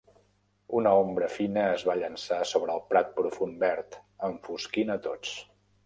Una ombra fina es va llançar sobre el Prat profund verd, enfosquint a tots.